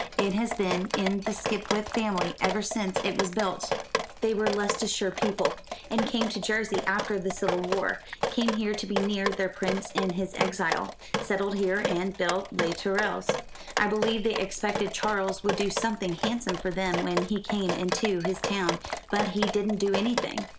It has been in the Skipwith family ever since it was built. They were Leicestershire people, and came to Jersey after the civil war came here to be near their prince in his exile settled here and built Les Tourelles. I believe they expected Charles would do something handsome for them when he came into his own, but he didn't do anything.